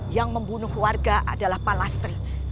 yang membunuh warga adalah pak lastri